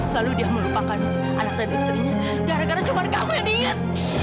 lalu dia melupakan anak dan istrinya gara gara cuman kamu yang ingat